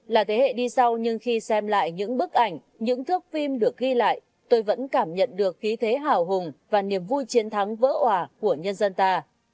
là thế hệ đi sau nhưng khi xem lại những bức ảnh những thước phim được ghi lại tôi vẫn cảm nhận được khí thế hào hùng và niềm vui chiến thắng vỡ hòa của nhân dân ta